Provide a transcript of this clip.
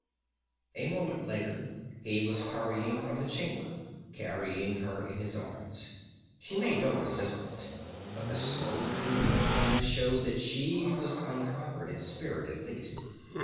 A moment later he was hurrying from the chamber, carrying her in his arms. She made no resistance, but the smoldering of her eyes showed that she was unconquered in spirit, at least.